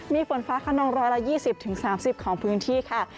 มีฝนฟ้าขนอง๑๒๐๓๐ของพื้นที่ค่ะ